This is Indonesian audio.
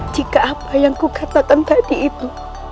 jika apa yang ku katakan tadi itu